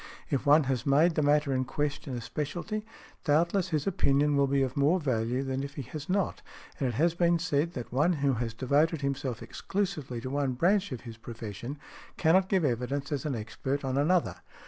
If one has made the matter in question a specialty, doubtless his opinion will be of more value than if he has not; and it has been said, that one who has devoted himself exclusively to one branch of his profession cannot give evidence as an expert on another .